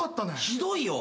ひどいよ。